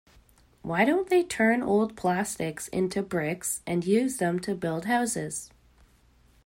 Why don't they turn old plastics into bricks and use them to build houses?